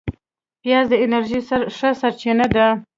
پیاز د انرژۍ ښه سرچینه ده